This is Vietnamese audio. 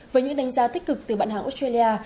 với những đánh giá tích cực từ bạn hàng australia